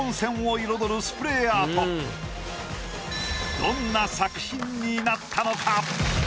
どんな作品になったのか？